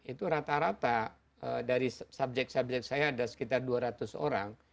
itu rata rata dari subjek subjek saya ada sekitar dua ratus orang